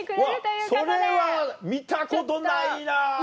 うわそれは見たことないな！